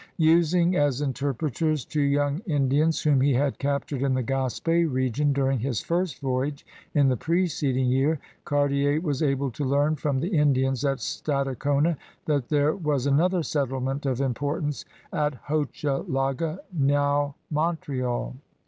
Using as interpreters two young Indians whom he had captured in the Gasp6 r^on during his first voyage in the preceding year, Cartier was able to learn from the Indians at Stadacona that there was another settlement of importance at Hoche laga, now Montreal.